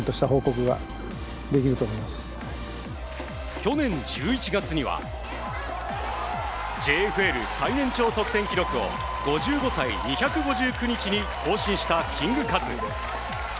去年１１月にはＪＦＬ最年長得点記録を５５歳２５９日に更新したキングカズ。